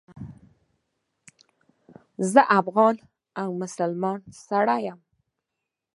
زه افغان او مسلمان سړی یم.